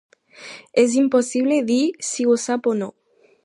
És impossible dir si ho sap o no.